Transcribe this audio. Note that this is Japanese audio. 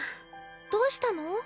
どうしたの？